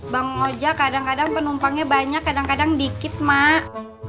bang oja kadang kadang penumpangnya banyak kadang kadang dikit mak